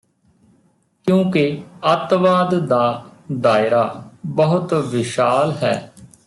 ਕਿਉਂਕਿ ਅੱਤਵਾਦ ਦਾ ਦਾਇਰਾ ਬਹੁਤ ਵਿਸ਼ਾਲ ਹੈ